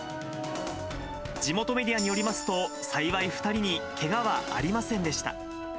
地元メディアによりますと、幸い２人にけがはありませんでした。